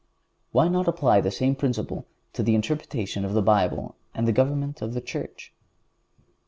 Why not apply the same principle to the interpretation of the Bible and the government of the Church?